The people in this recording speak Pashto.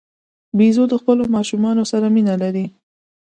بیزو د خپلو ماشومانو سره مینه لري.